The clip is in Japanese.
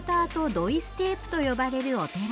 ドイ・ステープと呼ばれるお寺。